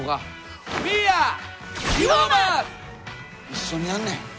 一緒にやんねん。